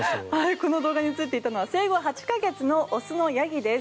この動画に映っているのは生後８か月の雄のヤギです。